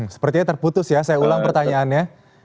sepertinya terputus ya saya ulang pertanyaannya